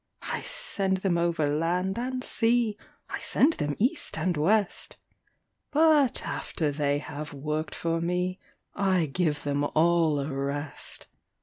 I send them over land and sea, I send them east and west; But after they have worked for me, I give them all a rest.